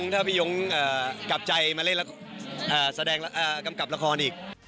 ถ้าพี่ยงกลับใจมาเล่นแสดงกำกับละครอีก